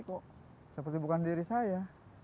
kok seperti bukan diri saya